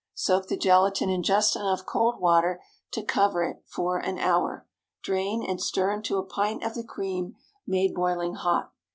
Soak the gelatine in just enough cold water to cover it, for an hour. Drain, and stir into a pint of the cream made boiling hot.